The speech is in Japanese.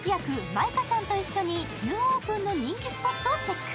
舞香ちゃんと一緒にニューオープンの人気スポットをチェック。